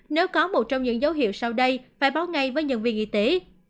nếu có một trong những dấu hiệu sau đây phải báo ngay với nhân viên y tế